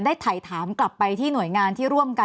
ได้ถ่ายถามกลับไปที่หน่วยงานที่ร่วมกัน